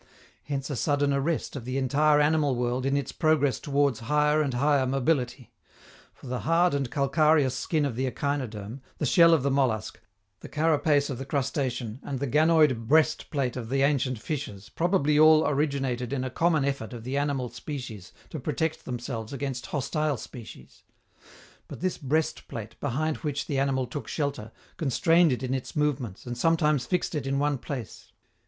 Hence a sudden arrest of the entire animal world in its progress towards higher and higher mobility; for the hard and calcareous skin of the echinoderm, the shell of the mollusc, the carapace of the crustacean and the ganoid breast plate of the ancient fishes probably all originated in a common effort of the animal species to protect themselves against hostile species. But this breast plate, behind which the animal took shelter, constrained it in its movements and sometimes fixed it in one place.